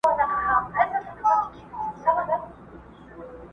يو تر بله هم په عقل گړندي وه؛